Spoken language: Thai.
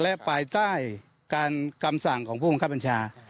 และภายใต้การกำสั่งของผู้บังคับบัญชา